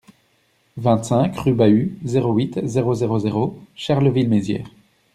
vingt-cinq rue Bahut, zéro huit, zéro zéro zéro Charleville-Mézières